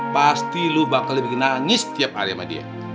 pasti lu bakal bikin nangis tiap hari sama dia